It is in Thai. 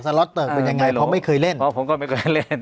ล็อตเติร์กเป็นยังไงเพราะไม่เคยเล่นอ๋อผมก็ไม่เคยเล่น